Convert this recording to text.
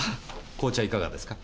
紅茶いかがですか？